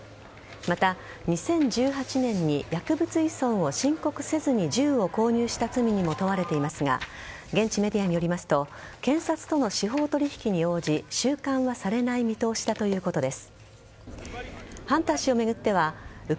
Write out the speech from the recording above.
また２０１８年に薬物依存を申告せずに銃を購入した罪にも問われていますが現地メディアによりますと検察との司法取引に応じ収監はされない見通しだということです。